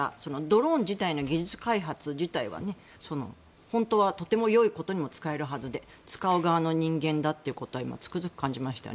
ドローンの技術開発自体は本当はとても良いことにも使えるはずで使う側の人間だということはつくづく感じました。